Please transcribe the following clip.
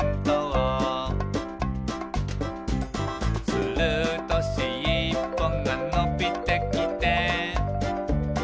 「するとしっぽがのびてきて」